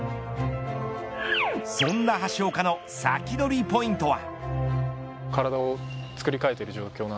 そんな橋岡のサキドリポイントは。